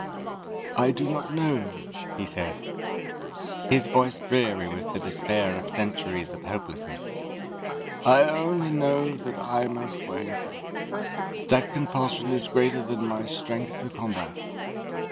"I do not know," he said, his voice dreary with the despair of centuries of hopelessness. "I only know that I must wait that compulsion is greater than my strength to combat."